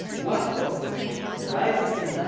Guasco rises in Lat.